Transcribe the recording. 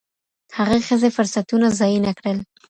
هغې ښځې فرصتونه ضایع نه کړل.